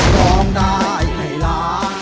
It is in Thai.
ร้องได้ให้ล้าน